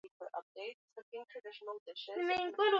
Baadhi ya sababu hizo ni kutamauka sana kushuka moyo